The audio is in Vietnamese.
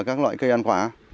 các loại cây ăn quả